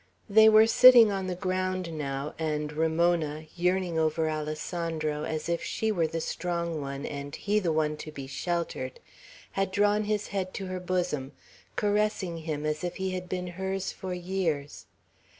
They were sitting on the ground now, and Ramona, yearning over Alessandro, as if she were the strong one and he the one to be sheltered, had drawn his head to her bosom, caressing him as if he had been hers for years.